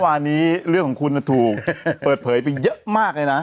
วันนี้เรื่องของคุณถูกเปิดเผยไปเยอะมากเลยนะ